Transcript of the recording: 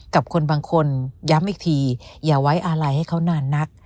กับคนบางคนย้ำอีกทีอย่าไว้อะไรให้เขานานนัก